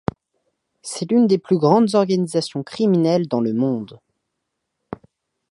C'est l'une des plus grandes organisations criminelles dans le monde.